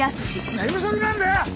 寝不足なんだよ！